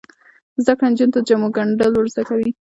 زده کړه نجونو ته د جامو ګنډل ور زده کوي.